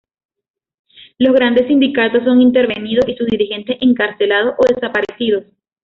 Los grandes sindicatos son intervenidos y sus dirigentes encarcelados o desaparecidos.